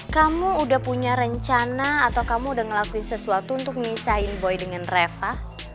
kamu udah punya rencana atau kamu udah ngelakuin sesuatu untuk misahin boy dengan reva